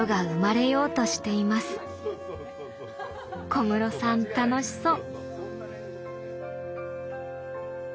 小室さん楽しそう。